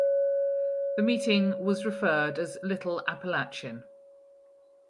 The meeting was referred as "Little Apalachin".